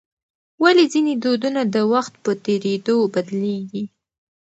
ولې ځینې دودونه د وخت په تېرېدو بدلیږي؟